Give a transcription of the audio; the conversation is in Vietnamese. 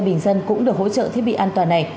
bình dân cũng được hỗ trợ thiết bị an toàn này